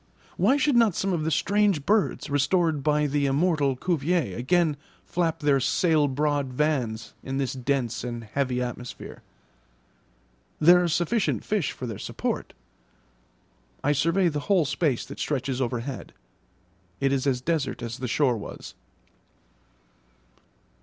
Why should not some of the strange birds restored by the immortal Cuvier again flap their 'sail broad vans' in this dense and heavy atmosphere? There are sufficient fish for their support. I survey the whole space that stretches overhead; it is as desert as the shore was.